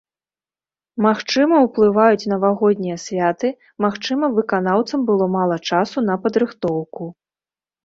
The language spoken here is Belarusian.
Магчыма, ўплываюць навагоднія святы, магчыма, выканаўцам было мала часу на падрыхтоўку.